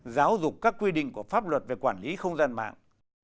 giáo dục các quy định của pháp luật về quản lý không gian mạng